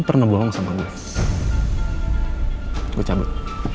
pernah bohong sama gue cabut